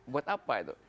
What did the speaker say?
buat apa itu